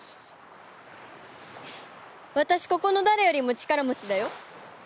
私ここの誰よりも力持ちだよ。